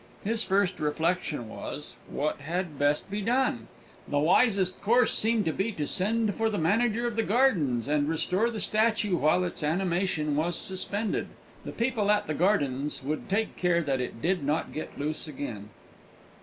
His first reflection was what had best be done? The wisest course seemed to be to send for the manager of the gardens, and restore the statue while its animation was suspended. The people at the gardens would take care that it did not get loose again.